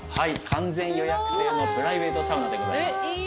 完全予約制のプライベートサウナでございます。